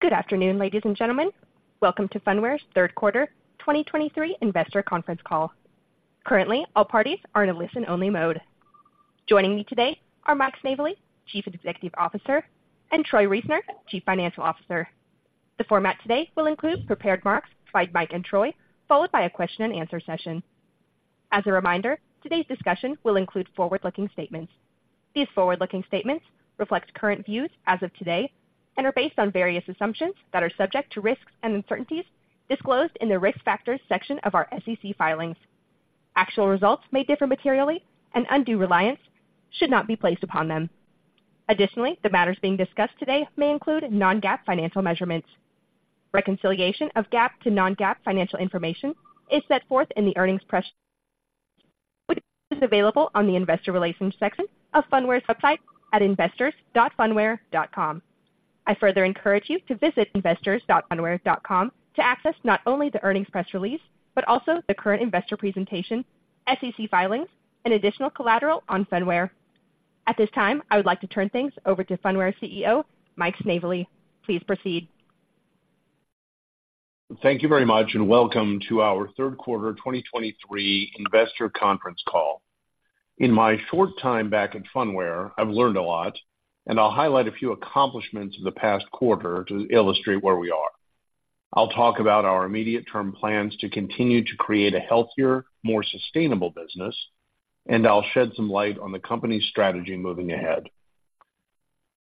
Good afternoon, ladies and gentlemen. Welcome to Phunware's third quarter 2023 investor conference call. Currently, all parties are in a listen-only mode. Joining me today are Mike Snavely, Chief Executive Officer, and Troy Reisner, Chief Financial Officer. The format today will include prepared remarks by Mike and Troy, followed by a question and answer session. As a reminder, today's discussion will include forward-looking statements. These forward-looking statements reflect current views as of today and are based on various assumptions that are subject to risks and uncertainties disclosed in the Risk Factors section of our SEC filings. Actual results may differ materially, and undue reliance should not be placed upon them. Additionally, the matters being discussed today may include non-GAAP financial measurements. Reconciliation of GAAP to non-GAAP financial information is set forth in the earnings press release, which is available on the investor relations section of Phunware's website at investors.phunware.com. I further encourage you to visit investors.phunware.com to access not only the earnings press release, but also the current investor presentation, SEC filings, and additional collateral on Phunware. At this time, I would like to turn things over to Phunware CEO, Mike Snavely. Please proceed. Thank you very much, and welcome to our third quarter 2023 investor conference call. In my short time back at Phunware, I've learned a lot, and I'll highlight a few accomplishments in the past quarter to illustrate where we are. I'll talk about our immediate term plans to continue to create a healthier, more sustainable business, and I'll shed some light on the company's strategy moving ahead.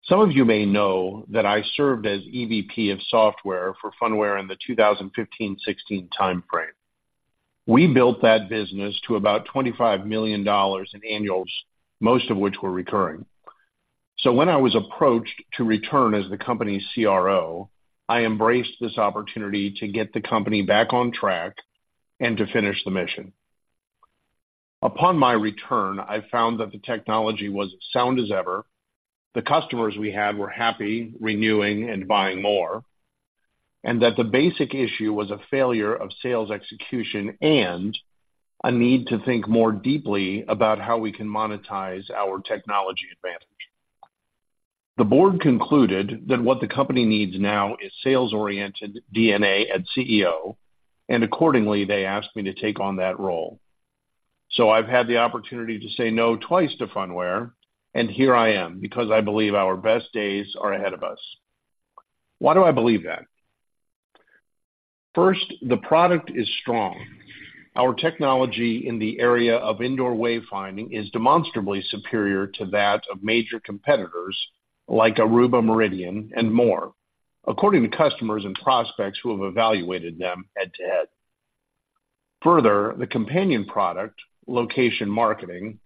Some of you may know that I served as EVP of software for Phunware in the 2015, 2016 timeframe. We built that business to about $25 million in annuals, most of which were recurring. So when I was approached to return as the company's CRO, I embraced this opportunity to get the company back on track and to finish the mission. Upon my return, I found that the technology was sound as ever, the customers we had were happy, renewing, and buying more, and that the basic issue was a failure of sales execution and a need to think more deeply about how we can monetize our technology advantage. The board concluded that what the company needs now is sales-oriented DNA and CEO, and accordingly, they asked me to take on that role. So I've had the opportunity to say no twice to Phunware, and here I am, because I believe our best days are ahead of us. Why do I believe that? First, the product is strong. Our technology in the area of indoor wayfinding is demonstrably superior to that of major competitors like Aruba, Meridian, and more, according to customers and prospects who have evaluated them head-to-head. Further, the companion product, location marketing,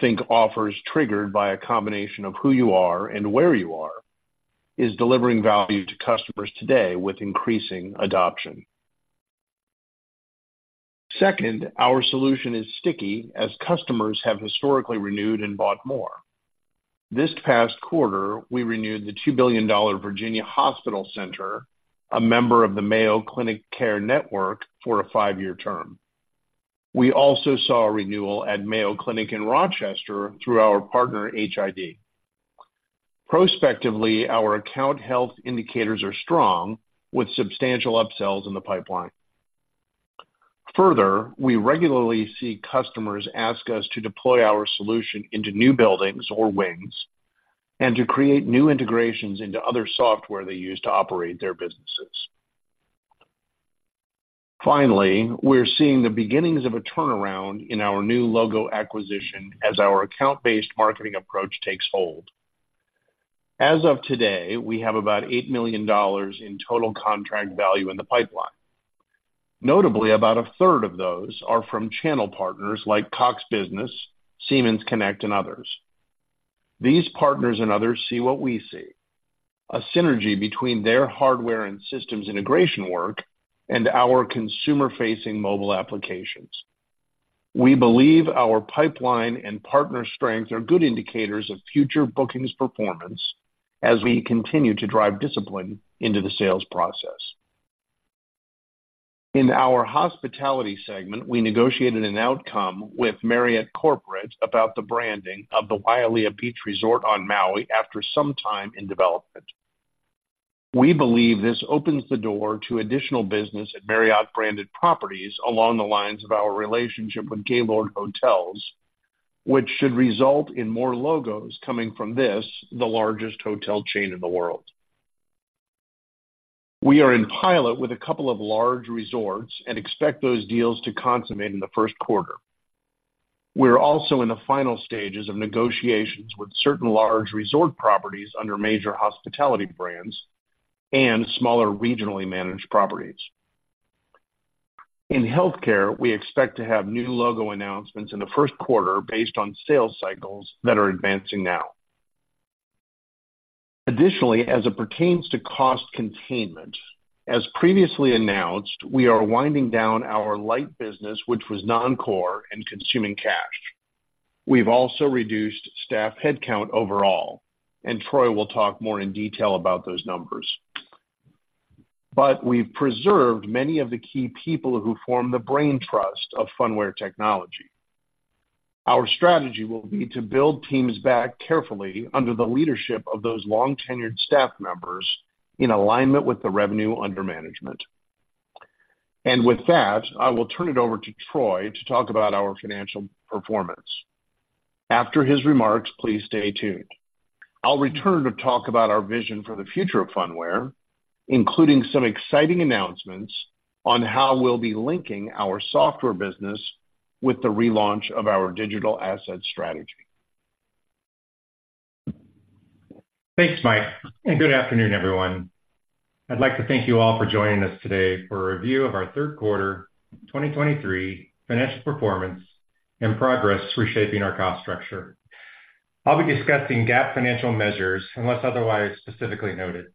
think offers triggered by a combination of who you are and where you are, is delivering value to customers today with increasing adoption. Second, our solution is sticky as customers have historically renewed and bought more. This past quarter, we renewed the $2 billion Virginia Hospital Center, a member of the Mayo Clinic Care Network, for a five-year term. We also saw a renewal at Mayo Clinic in Rochester through our partner, HID. Prospectively, our account health indicators are strong, with substantial upsells in the pipeline. Further, we regularly see customers ask us to deploy our solution into new buildings or wings and to create new integrations into other software they use to operate their businesses. Finally, we're seeing the beginnings of a turnaround in our new logo acquisition as our account-based marketing approach takes hold. As of today, we have about $8 million in total contract value in the pipeline. Notably, about a third of those are from channel partners like Cox Business, Siemens Connect, and others. These partners and others see what we see, a synergy between their hardware and systems integration work and our consumer-facing mobile applications. We believe our pipeline and partner strengths are good indicators of future bookings performance as we continue to drive discipline into the sales process. In our hospitality segment, we negotiated an outcome with Marriott Corporate about the branding of the Wailea Beach Resort on Maui after some time in development. We believe this opens the door to additional business at Marriott-branded properties along the lines of our relationship with Gaylord Hotels, which should result in more logos coming from this, the largest hotel chain in the world. We are in pilot with a couple of large resorts and expect those deals to consummate in the first quarter. We're also in the final stages of negotiations with certain large resort properties under major hospitality brands and smaller regionally managed properties. In healthcare, we expect to have new logo announcements in the first quarter based on sales cycles that are advancing now. Additionally, as it pertains to cost containment, as previously announced, we are winding down our Lyte business, which was non-core and consuming cash. We've also reduced staff headcount overall, and Troy will talk more in detail about those numbers. But we've preserved many of the key people who form the brain trust of Phunware technology.... Our strategy will be to build teams back carefully under the leadership of those long-tenured staff members in alignment with the revenue under management. With that, I will turn it over to Troy to talk about our financial performance. After his remarks, please stay tuned. I'll return to talk about our vision for the future of Phunware, including some exciting announcements on how we'll be linking our software business with the relaunch of our digital asset strategy. Thanks, Mike, and good afternoon, everyone. I'd like to thank you all for joining us today for a review of our third quarter 2023 financial performance and progress reshaping our cost structure. I'll be discussing GAAP financial measures, unless otherwise specifically noted.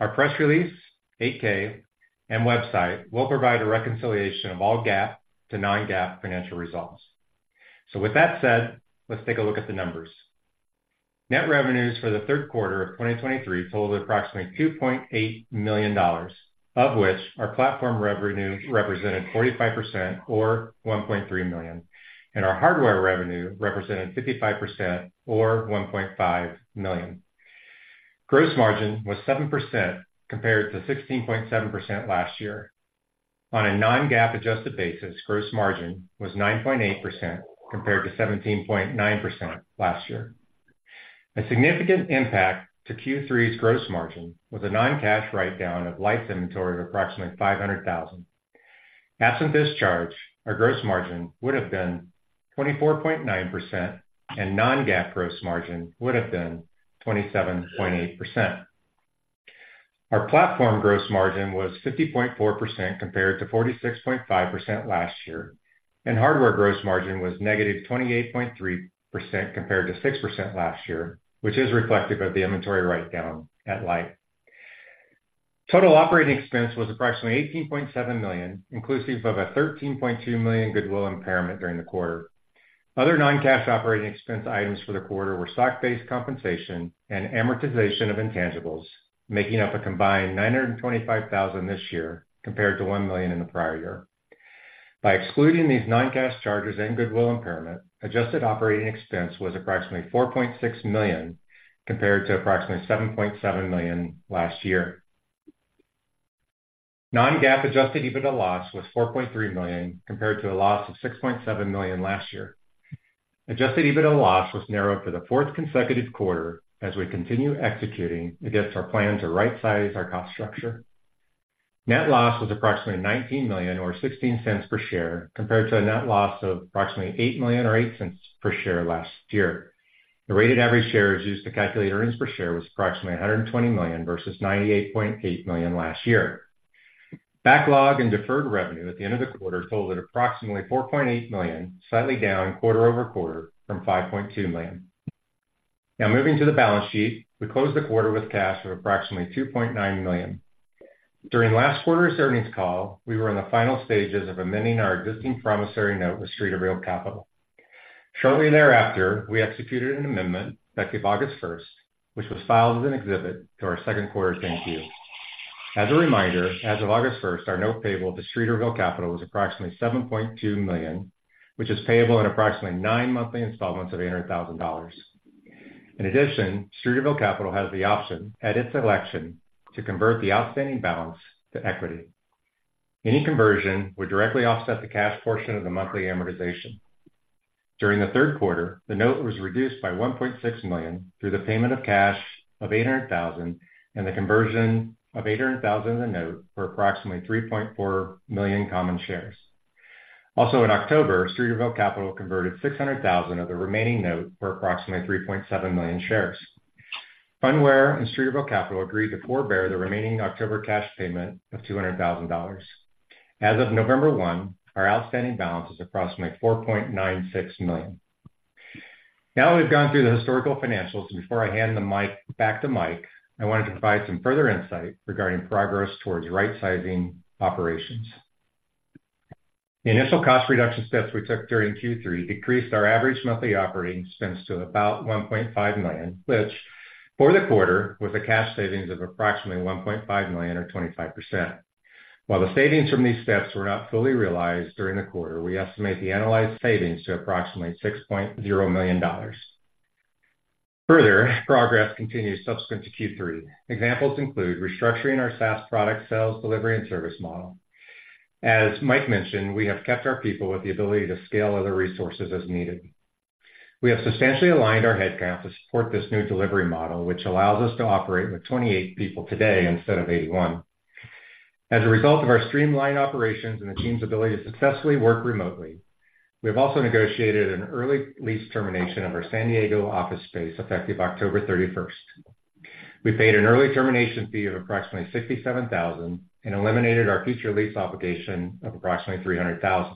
Our press release, 8-K, and website will provide a reconciliation of all GAAP to non-GAAP financial results. So with that said, let's take a look at the numbers. Net revenues for the third quarter of 2023 totaled approximately $2.8 million, of which our platform revenue represented 45%, or $1.3 million, and our hardware revenue represented 55%, or $1.5 million. Gross margin was 7% compared to 16.7% last year. On a non-GAAP adjusted basis, gross margin was 9.8% compared to 17.9% last year. A significant impact to Q3's gross margin was a non-cash write-down of Lyte inventory of approximately $500,000. Absent this charge, our gross margin would have been 24.9%, and non-GAAP gross margin would have been 27.8%. Our platform gross margin was 50.4% compared to 46.5% last year, and hardware gross margin was -28.3% compared to 6% last year, which is reflective of the inventory write-down at Lyte. Total operating expense was approximately $18.7 million, inclusive of a $13.2 million goodwill impairment during the quarter. Other non-cash operating expense items for the quarter were stock-based compensation and amortization of intangibles, making up a combined $925,000 this year compared to $1 million in the prior year. By excluding these non-cash charges and goodwill impairment, adjusted operating expense was approximately $4.6 million, compared to approximately $7.7 million last year. Non-GAAP adjusted EBITDA loss was $4.3 million, compared to a loss of $6.7 million last year. Adjusted EBITDA loss was narrowed for the fourth consecutive quarter as we continue executing against our plan to rightsize our cost structure. Net loss was approximately $19 million or $0.16 per share, compared to a net loss of approximately $8 million or $0.08 per share last year. The rated average shares used to calculate earnings per share was approximately 120 million versus 98.8 million last year. Backlog and deferred revenue at the end of the quarter totaled approximately $4.8 million, slightly down quarter-over-quarter from $5.2 million. Now, moving to the balance sheet, we closed the quarter with cash of approximately $2.9 million. During last quarter's earnings call, we were in the final stages of amending our existing promissory note with Streeterville Capital. Shortly thereafter, we executed an amendment effective August 1st, which was filed as an exhibit to our second quarter 10-Q. As a reminder, as of August 1st, our note payable to Streeterville Capital was approximately $7.2 million, which is payable in approximately nine monthly installments of $800,000. In addition, Streeterville Capital has the option, at its election, to convert the outstanding balance to equity. Any conversion would directly offset the cash portion of the monthly amortization. During the third quarter, the note was reduced by $1.6 million through the payment of cash of $800,000 and the conversion of $800,000 of the note for approximately 3.4 million common shares. Also, in October, Streeterville Capital converted $600,000 of the remaining note for approximately 3.7 million shares. Phunware and Streeterville Capital agreed to forbear the remaining October cash payment of $200,000. As of November 1, our outstanding balance is approximately $4.96 million. Now that we've gone through the historical financials, and before I hand the mic back to Mike, I wanted to provide some further insight regarding progress towards rightsizing operations. The initial cost reduction steps we took during Q3 decreased our average monthly operating expense to about $1.5 million, which for the quarter, was a cash savings of approximately $1.5 million or 25%. While the savings from these steps were not fully realized during the quarter, we estimate the analyzed savings to approximately $6.0 million. Further, progress continues subsequent to Q3. Examples include restructuring our SaaS product sales, delivery, and service model. As Mike mentioned, we have kept our people with the ability to scale other resources as needed. We have substantially aligned our headcount to support this new delivery model, which allows us to operate with 28 people today instead of 81. As a result of our streamlined operations and the team's ability to successfully work remotely, we have also negotiated an early lease termination of our San Diego office space, effective October 31st. We paid an early termination fee of approximately $67,000 and eliminated our future lease obligation of approximately $300,000.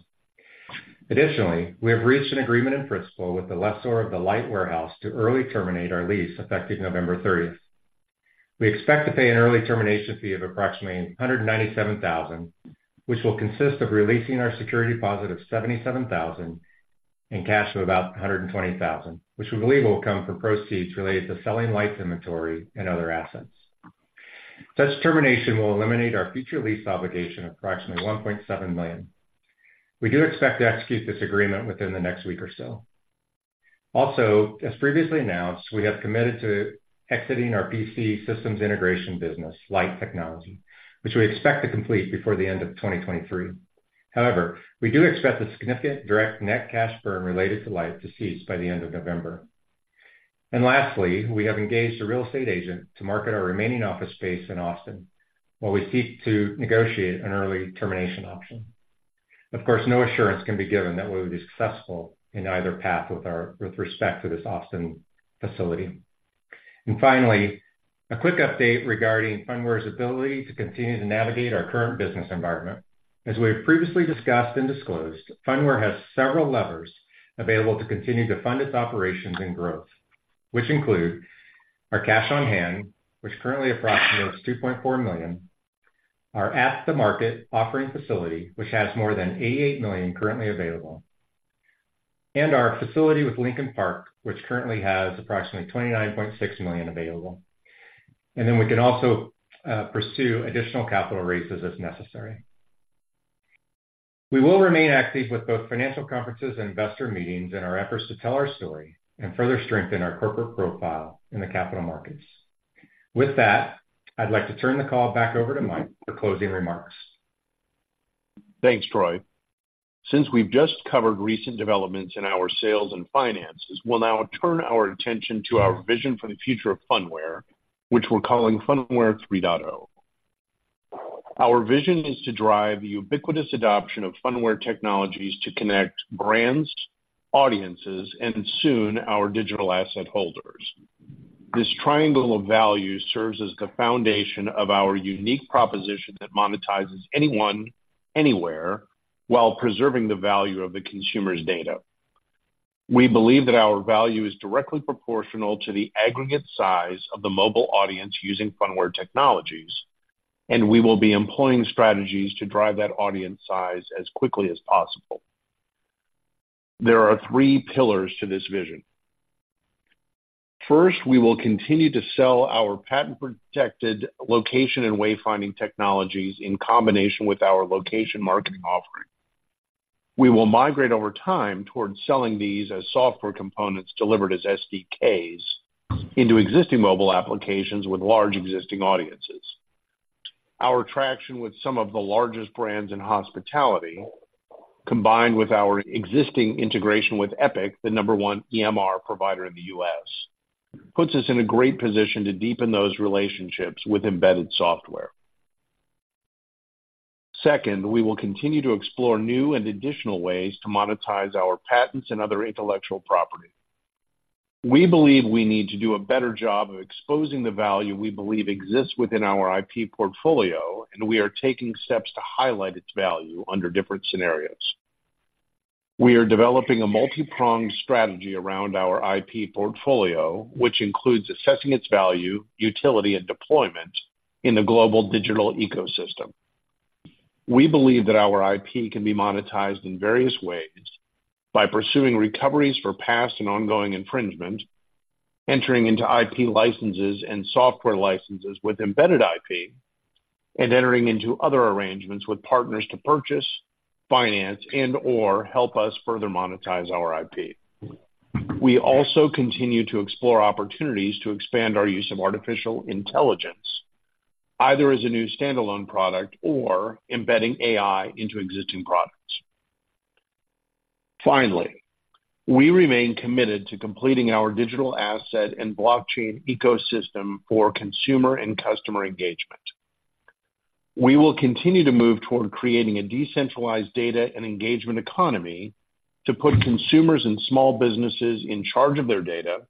Additionally, we have reached an agreement in principle with the lessor of the Lyte warehouse to early terminate our lease, effective November 30th. We expect to pay an early termination fee of approximately $197,000, which will consist of releasing our security deposit of $77,000 and cash of about $120,000, which we believe will come from proceeds related to selling Lyte inventory and other assets. Such termination will eliminate our future lease obligation of approximately $1.7 million. We do expect to execute this agreement within the next week or so. Also, as previously announced, we have committed to exiting our PC systems integration business, Lyte Technology, which we expect to complete before the end of 2023. However, we do expect a significant direct net cash burn related to Lyte to cease by the end of November. And lastly, we have engaged a real estate agent to market our remaining office space in Austin, while we seek to negotiate an early termination option. Of course, no assurance can be given that we will be successful in either path with respect to this Austin facility. And finally, a quick update regarding Phunware's ability to continue to navigate our current business environment. As we have previously discussed and disclosed, Phunware has several levers available to continue to fund its operations and growth, which include our cash on hand, which currently approximates $2.4 million, our at-the-market offering facility, which has more than $88 million currently available, and our facility with Lincoln Park, which currently has approximately $29.6 million available. And then we can also pursue additional capital raises as necessary. We will remain active with both financial conferences and investor meetings in our efforts to tell our story and further strengthen our corporate profile in the capital markets. With that, I'd like to turn the call back over to Mike for closing remarks. Thanks, Troy. Since we've just covered recent developments in our sales and finances, we'll now turn our attention to our vision for the future of Phunware, which we're calling Phunware 3.0. Our vision is to drive the ubiquitous adoption of Phunware technologies to connect brands, audiences, and soon, our digital asset holders. This triangle of value serves as the foundation of our unique proposition that monetizes anyone, anywhere, while preserving the value of the consumer's data. We believe that our value is directly proportional to the aggregate size of the mobile audience using Phunware technologies, and we will be employing strategies to drive that audience size as quickly as possible. There are three pillars to this vision. First, we will continue to sell our patent-protected location and wayfinding technologies in combination with our location marketing offering. We will migrate over time towards selling these as software components delivered as SDKs into existing mobile applications with large existing audiences. Our traction with some of the largest brands in hospitality, combined with our existing integration with Epic, the number one EMR provider in the U.S., puts us in a great position to deepen those relationships with embedded software. Second, we will continue to explore new and additional ways to monetize our patents and other intellectual property. We believe we need to do a better job of exposing the value we believe exists within our IP portfolio, and we are taking steps to highlight its value under different scenarios. We are developing a multipronged strategy around our IP portfolio, which includes assessing its value, utility, and deployment in the global digital ecosystem. We believe that our IP can be monetized in various ways by pursuing recoveries for past and ongoing infringement, entering into IP licenses and software licenses with embedded IP, and entering into other arrangements with partners to purchase, finance, and/or help us further monetize our IP. We also continue to explore opportunities to expand our use of artificial intelligence, either as a new standalone product or embedding AI into existing products. Finally, we remain committed to completing our digital asset and blockchain ecosystem for consumer and customer engagement. We will continue to move toward creating a decentralized data and engagement economy to put consumers and small businesses in charge of their data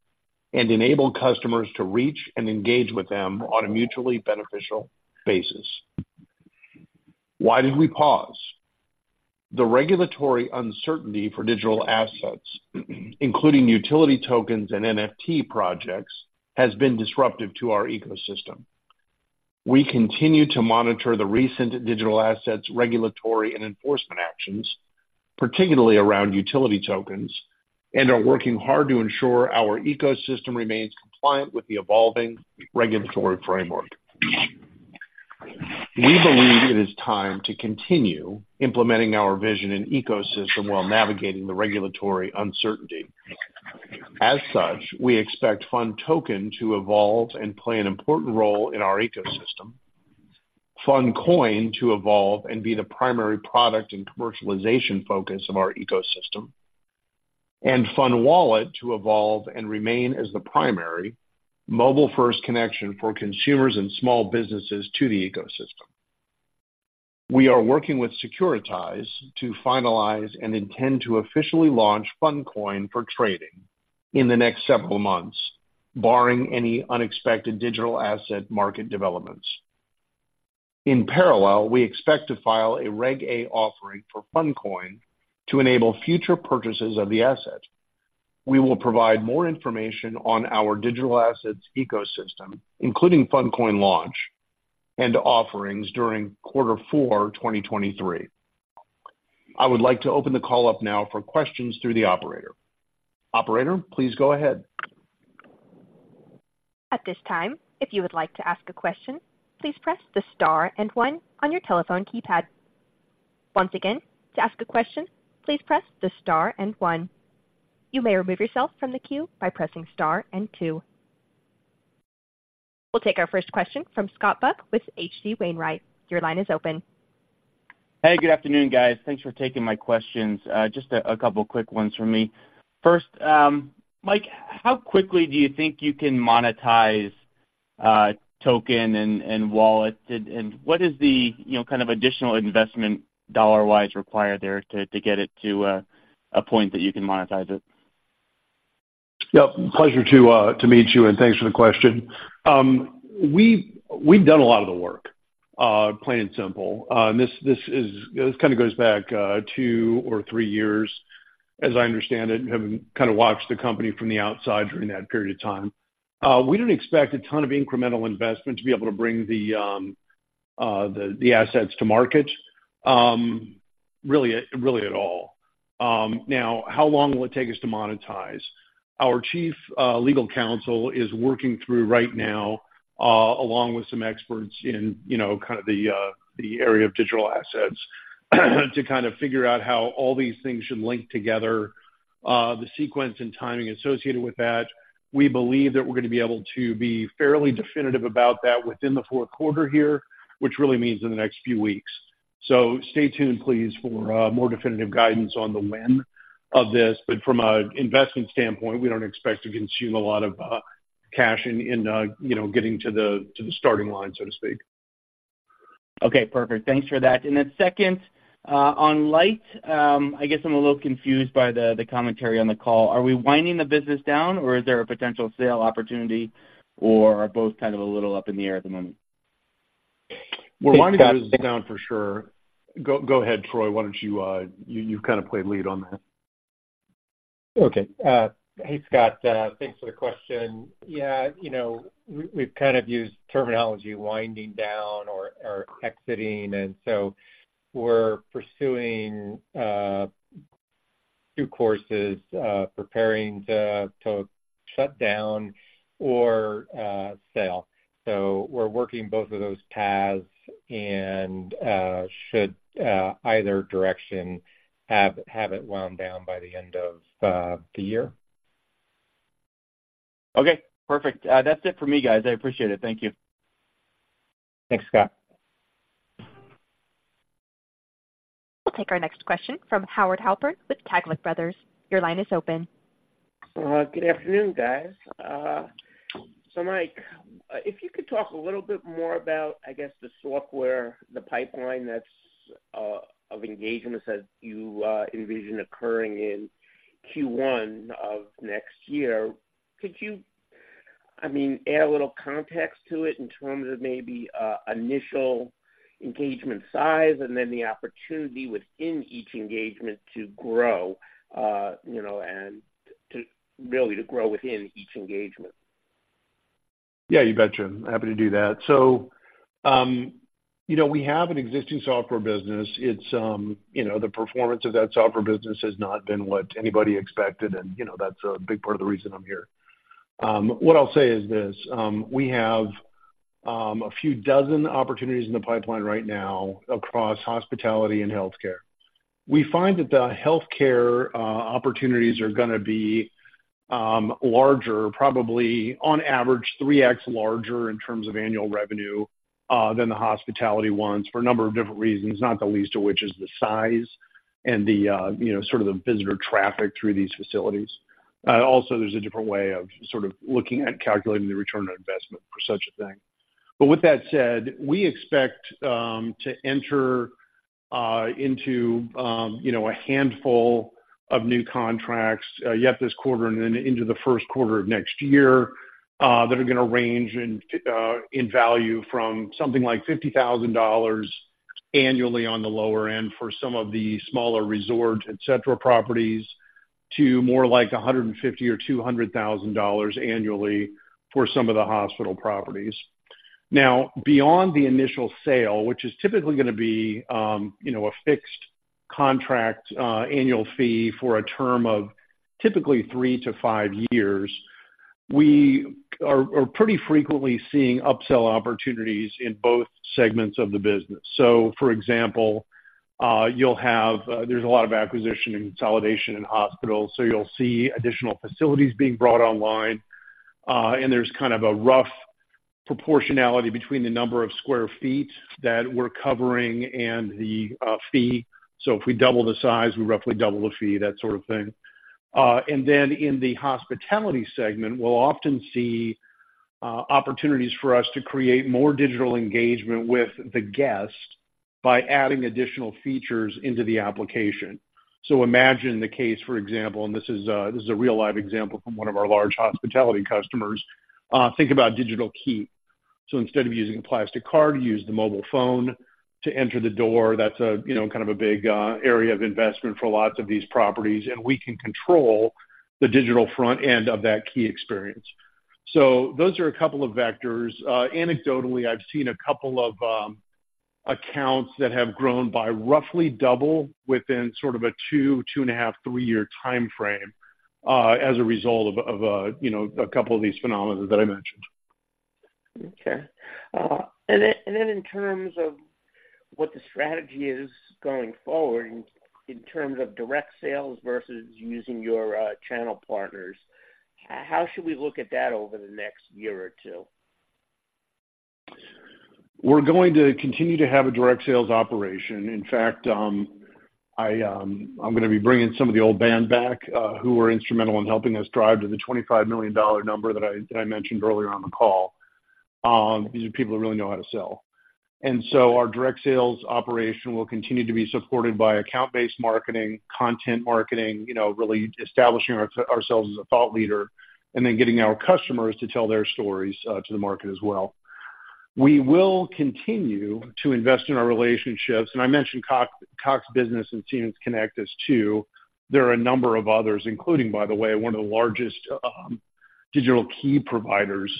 and enable customers to reach and engage with them on a mutually beneficial basis. Why did we pause? The regulatory uncertainty for digital assets, including utility tokens and NFT projects, has been disruptive to our ecosystem. We continue to monitor the recent digital assets regulatory and enforcement actions, particularly around utility tokens, and are working hard to ensure our ecosystem remains compliant with the evolving regulatory framework. We believe it is time to continue implementing our vision and ecosystem while navigating the regulatory uncertainty. As such, we expect PhunToken to evolve and play an important role in our ecosystem, PhunCoin to evolve and be the primary product and commercialization focus of our ecosystem, and PhunWallet to evolve and remain as the primary mobile-first connection for consumers and small businesses to the ecosystem. We are working with Securitize to finalize and intend to officially launch PhunCoin for trading in the next several months, barring any unexpected digital asset market developments. In parallel, we expect to file a Reg A offering for PhunCoin to enable future purchases of the asset. We will provide more information on our digital assets ecosystem, including PhunCoin launch and offerings during quarter four, 2023.... I would like to open the call up now for questions through the operator. Operator, please go ahead. At this time, if you would like to ask a question, please press the star and one on your telephone keypad. Once again, to ask a question, please press the star and one. You may remove yourself from the queue by pressing star and two. We'll take our first question from Scott Buck with H.C. Wainwright. Your line is open. Hey, good afternoon, guys. Thanks for taking my questions. Just a couple quick ones from me. First, Mike, how quickly do you think you can monetize token and wallet? And what is the, you know, kind of additional investment dollar-wise required there to get it to a point that you can monetize it? Yep. Pleasure to, to meet you, and thanks for the question. We've, we've done a lot of the work, plain and simple. This, this is... This kind of goes back, two or three years, as I understand it, having kind of watched the company from the outside during that period of time. We don't expect a ton of incremental investment to be able to bring the, the, the assets to market, really, really at all. Now, how long will it take us to monetize? Our Chief Legal Counsel is working through right now, along with some experts in, you know, kind of the, the area of digital assets, to kind of figure out how all these things should link together, the sequence and timing associated with that. We believe that we're gonna be able to be fairly definitive about that within the fourth quarter here, which really means in the next few weeks. So stay tuned, please, for more definitive guidance on the when of this, but from a investment standpoint, we don't expect to consume a lot of cash in you know, getting to the starting line, so to speak. Okay, perfect. Thanks for that. And then second, on Lyte, I guess I'm a little confused by the commentary on the call. Are we winding the business down, or is there a potential sale opportunity, or are both kind of a little up in the air at the moment? We're winding the business down for sure. Go ahead, Troy. Why don't you kind of played lead on that. Okay. Hey, Scott, thanks for the question. Yeah, you know, we've kind of used terminology, winding down or exiting, and so we're pursuing two courses, preparing to shut down or sale. So we're working both of those paths and should either direction have it wound down by the end of the year. Okay, perfect. That's it for me, guys. I appreciate it. Thank you. Thanks, Scott. We'll take our next question from Howard Halpern with Taglich Brothers. Your line is open. Good afternoon, guys. So Mike, if you could talk a little bit more about, I guess, the software, the pipeline that's of engagements that you envision occurring in Q1 of next year. Could you, I mean, add a little context to it in terms of maybe initial engagement size and then the opportunity within each engagement to grow, you know, and to really to grow within each engagement? Yeah, you betcha. Happy to do that. So, you know, we have an existing software business. It's, you know, the performance of that software business has not been what anybody expected, and, you know, that's a big part of the reason I'm here. What I'll say is this: we have, a few dozen opportunities in the pipeline right now across hospitality and healthcare. We find that the healthcare, opportunities are gonna be, larger, probably on average, 3x larger in terms of annual revenue, than the hospitality ones for a number of different reasons, not the least of which is the size and the, you know, sort of the visitor traffic through these facilities. Also, there's a different way of sort of looking at calculating the return on investment for such a thing. But with that said, we expect to enter into you know, a handful of new contracts yet this quarter and then into the first quarter of next year that are gonna range in value from something like $50,000 annually on the lower end for some of the smaller resorts, et cetera, properties, to more like $150,000 or $200,000 annually for some of the hospital properties. Now, beyond the initial sale, which is typically gonna be you know, a fixed contract annual fee for a term of typically three to five years, we are pretty frequently seeing upsell opportunities in both segments of the business. So for example, you'll have... There's a lot of acquisition and consolidation in hospitals, so you'll see additional facilities being brought online, and there's kind of a rough proportionality between the number of square feet that we're covering and the fee. So if we double the size, we roughly double the fee, that sort of thing. And then in the hospitality segment, we'll often see opportunities for us to create more digital engagement with the guest by adding additional features into the application. So imagine the case, for example, and this is a real live example from one of our large hospitality customers. Think about digital key. So instead of using a plastic card, you use the mobile phone to enter the door. That's a, you know, kind of a big area of investment for lots of these properties, and we can control the digital front end of that key experience... So those are a couple of vectors. Anecdotally, I've seen a couple of accounts that have grown by roughly double within sort of a two, two and a half, three-year timeframe, as a result of, you know, a couple of these phenomenons that I mentioned. Okay. And then in terms of what the strategy is going forward in terms of direct sales versus using your channel partners, how should we look at that over the next year or two? We're going to continue to have a direct sales operation. In fact, I, I'm gonna be bringing some of the old band back, who were instrumental in helping us drive to the $25 million number that I, that I mentioned earlier on the call. These are people who really know how to sell. And so our direct sales operation will continue to be supported by account-based marketing, content marketing, you know, really establishing ourselves as a thought leader, and then getting our customers to tell their stories to the market as well. We will continue to invest in our relationships, and I mentioned Cox, Cox Business and Siemens Connect as two. There are a number of others, including, by the way, one of the largest digital key providers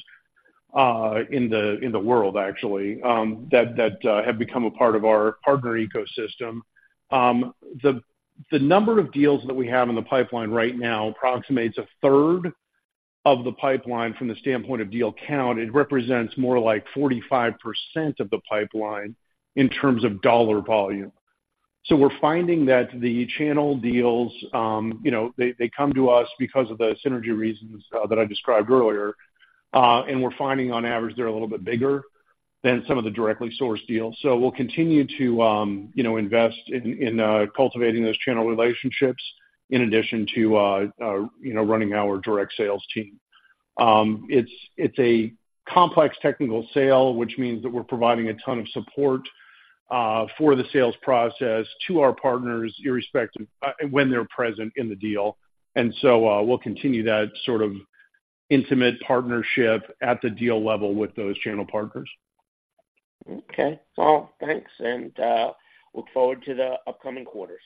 in the world actually that have become a part of our partner ecosystem. The number of deals that we have in the pipeline right now approximates a third of the pipeline from the standpoint of deal count. It represents more like 45% of the pipeline in terms of dollar volume. So we're finding that the channel deals, you know, they come to us because of the synergy reasons that I described earlier. And we're finding on average, they're a little bit bigger than some of the directly sourced deals. So we'll continue to, you know, invest in cultivating those channel relationships in addition to, you know, running our direct sales team. It's a complex technical sale, which means that we're providing a ton of support for the sales process to our partners, irrespective when they're present in the deal. And so, we'll continue that sort of intimate partnership at the deal level with those channel partners. Okay. Well, thanks, and look forward to the upcoming quarters.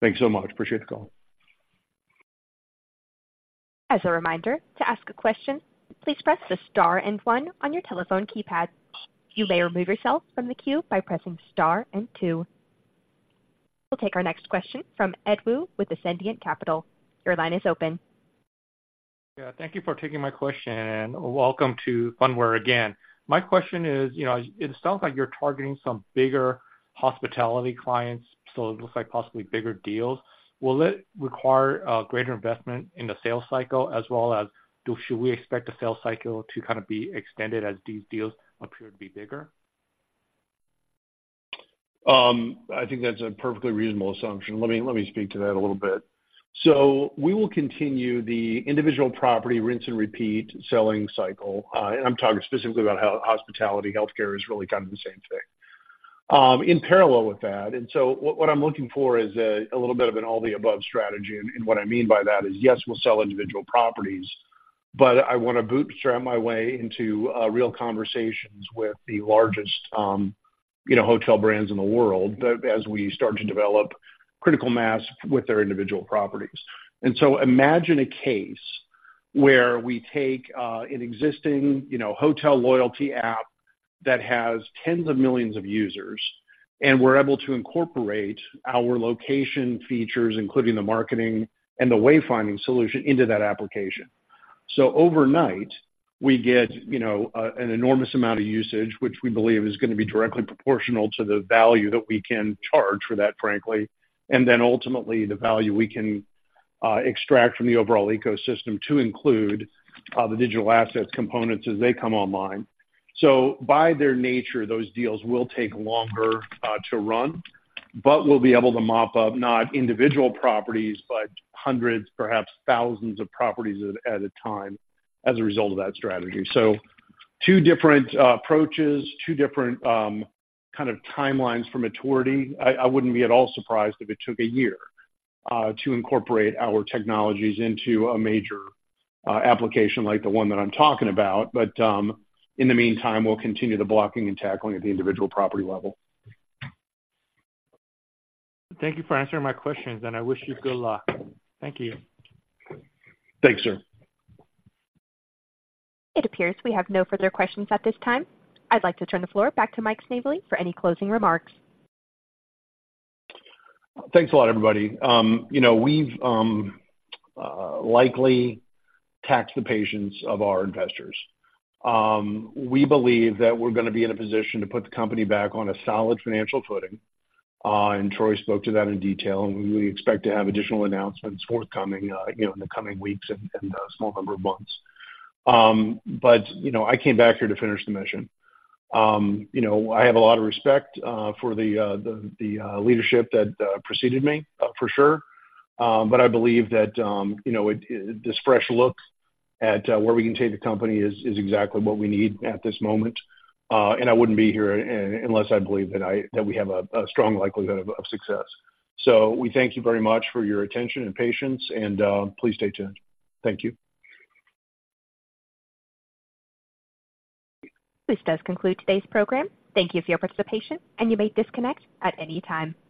Thanks so much. Appreciate the call. As a reminder, to ask a question, please press the star and one on your telephone keypad. You may remove yourself from the queue by pressing star and two. We'll take our next question from Edward Woo with Ascendiant Capital. Your line is open. Yeah, thank you for taking my question, and welcome to Phunware again. My question is, you know, it sounds like you're targeting some bigger hospitality clients, so it looks like possibly bigger deals. Will it require a greater investment in the sales cycle as well as should we expect the sales cycle to kind of be extended as these deals appear to be bigger? I think that's a perfectly reasonable assumption. Let me speak to that a little bit. So we will continue the individual property rinse and repeat selling cycle, and I'm talking specifically about how hospitality, healthcare is really kind of the same thing, in parallel with that. And so what I'm looking for is a little bit of an all-the-above strategy. And what I mean by that is, yes, we'll sell individual properties, but I want to bootstrap my way into real conversations with the largest, you know, hotel brands in the world, as we start to develop critical mass with their individual properties. And so imagine a case where we take, an existing, you know, hotel loyalty app that has tens of millions of users, and we're able to incorporate our location features, including the marketing and the wayfinding solution, into that application. So overnight, we get, you know, an enormous amount of usage, which we believe is gonna be directly proportional to the value that we can charge for that, frankly, and then ultimately, the value we can, extract from the overall ecosystem to include, the digital assets components as they come online. So by their nature, those deals will take longer, to run, but we'll be able to mop up not individual properties, but hundreds, perhaps thousands of properties at a time as a result of that strategy. So two different approaches, two different kind of timelines for maturity. I wouldn't be at all surprised if it took a year to incorporate our technologies into a major application like the one that I'm talking about, but in the meantime, we'll continue the blocking and tackling at the individual property level. Thank you for answering my questions, and I wish you good luck. Thank you. Thanks, sir. It appears we have no further questions at this time. I'd like to turn the floor back to Mike Snavely for any closing remarks. Thanks a lot, everybody. You know, we've likely taxed the patience of our investors. We believe that we're gonna be in a position to put the company back on a solid financial footing, and Troy spoke to that in detail, and we expect to have additional announcements forthcoming, you know, in the coming weeks and a small number of months. But you know, I came back here to finish the mission. You know, I have a lot of respect for the leadership that preceded me, for sure. But I believe that you know, it, this fresh look at where we can take the company is exactly what we need at this moment. I wouldn't be here unless I believed that we have a strong likelihood of success. So we thank you very much for your attention and patience, and please stay tuned. Thank you. This does conclude today's program. Thank you for your participation, and you may disconnect at any time.